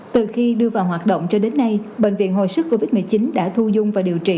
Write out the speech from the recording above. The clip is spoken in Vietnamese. từ khi đưa vào hoạt động cho đến nay bệnh viện hồi sức covid một mươi chín đã thu dung và điều trị